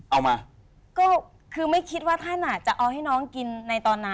เอาม่าก็รึยังไง